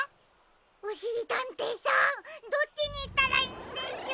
おしりたんていさんどっちにいったらいいんでしょう？